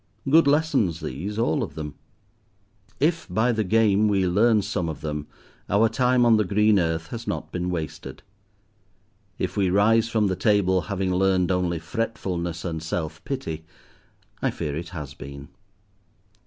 Good lessons these, all of them. If by the game we learn some of them our time on the green earth has not been wasted. If we rise from the table having learned only fretfulness and self pity I fear it has been.